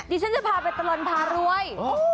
ฉันจะพาไปตลอดพารวย